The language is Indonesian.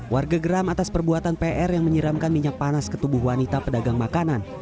warga geram atas perbuatan pr yang menyiramkan minyak panas ke tubuh wanita pedagang makanan